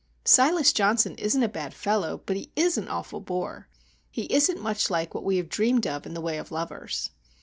Silas Johnson isn't a bad fellow, but he is an awful bore. He isn't much like what we have dreamed of in the way of lovers."